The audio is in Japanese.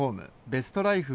ベストライフ